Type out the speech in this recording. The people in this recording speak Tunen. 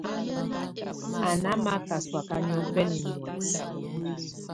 Á ná maka sɔ̀áka niɔ̀fɛna muɛsɛ.